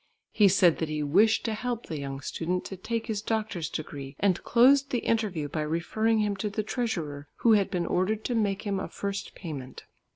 He said that he wished to help the young student to take his doctor's degree, and closed the interview by referring him to the treasurer, who had been ordered to make him a first payment.